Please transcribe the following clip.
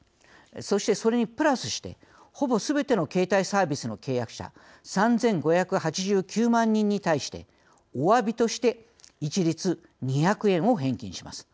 そして、それにプラスしてほぼすべての携帯サービスの契約者３５８９万人に対しておわびとして一律２００円を返金します。